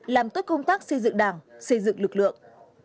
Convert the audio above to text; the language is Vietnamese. làm tốt công tác xây dựng đảng xây dựng lực lượng